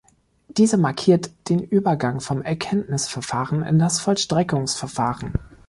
Diese markiert den Übergang vom Erkenntnisverfahren in das Vollstreckungsverfahren.